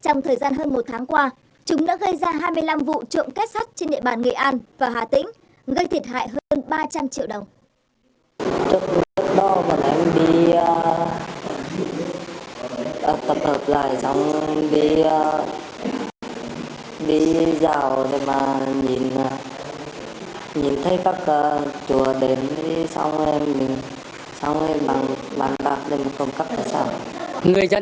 trong thời gian hơn một tháng qua chúng đã gây ra hai mươi năm vụ trộm kết sắt trên địa bàn nghệ an và hà tĩnh gây thiệt hại hơn ba trăm linh triệu đồng